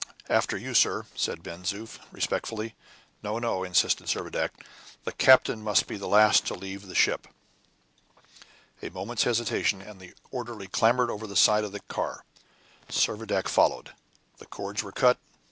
"After you, sir," said Ben Zoof, respectfully. "No, no!" insisted Servadac; "the captain must be the last to leave the ship!" A moment's hesitation and the orderly clambered over the side of the car. Servadac followed. The cords were cut.